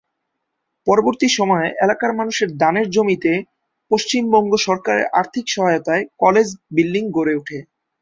পরবর্তী সময়ে এলাকার মানুষের দানের জমিতে পশ্চিমবঙ্গ সরকারের আর্থিক সহায়তায় কলেজ বিল্ডিং গড়ে ওঠে।